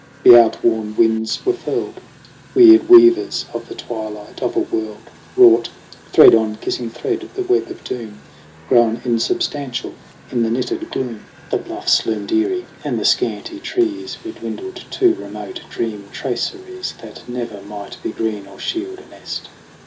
The outworn winds were furled. Weird weavers of the twilight of a world Wrought, thread on kissing thread, the web of doom. Grown insubstantial in the knitted gloom, THE RETURN OF THE GHOST 101 The bluffs loomed eerie, and the scanty trees Were dwindled to remote dream traceries That never might be green or shield a nest.